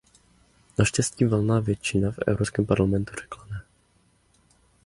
Naštěstí valná většina v Evropském parlamentu řekla ne.